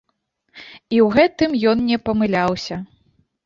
І ў гэтым ён не памыляўся.